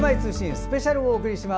スペシャルお送りします。